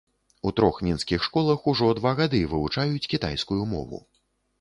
У трох мінскіх школах ужо два гады вывучаюць кітайскую мову.